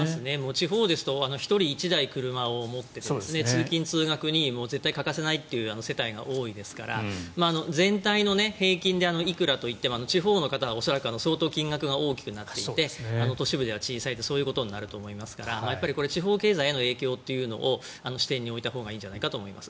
地方ですと１人１台車を持っていて通勤・通学に絶対欠かせないという世帯が多いですから全体の平均でいくらといっても地方の方は恐らく相当金額が大きくなっていて都市部では小さいとそういうことになると思いますから地方経済への影響というのを視点に置いたほうがいいんじゃないかと思います。